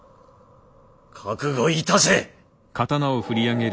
覚悟いたせ！